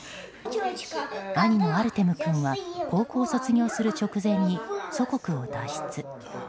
兄のアルテム君は高校卒業する直前に祖国を脱出。